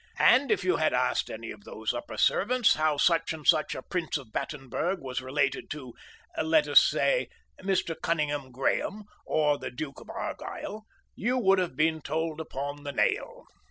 And if you had asked any of those upper servants how such and such a Prince of Battenberg was related to, let us say, Mr. Cunninghame Graham or the Duke of Argyle, you would have been told upon the nail.